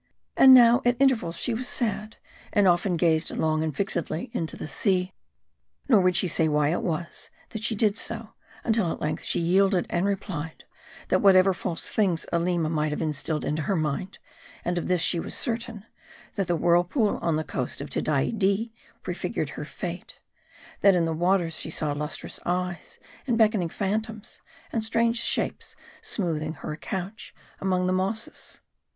And now, at intervals, she was sad, and often gazed long and fixedly into the sea. Nor would she say why it was, that she did so ; until at length she yielded ; and replied, that whatever false things Aleema might have instilled into her mind ; of this much she was certain : that the whirl pool on the coast of Tedaidee prefigured her fate ; that in the waters she saw lustrous eyes, and beckoning phantoms, and strange shapes smoothing her a couch among the mosses.